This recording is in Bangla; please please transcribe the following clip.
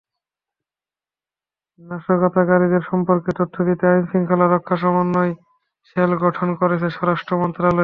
নাশকতাকারীদের সম্পর্কে তথ্য দিতে আইনশৃঙ্খলা রক্ষা সমন্বয় সেল গঠন করেছে স্বরাষ্ট্র মন্ত্রণালয়।